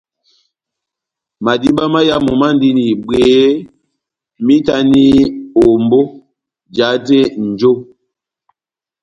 Madiba máyamu mandini bwehé, mahitani ombó jahate nʼnjo.